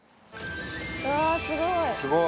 うわあすごい！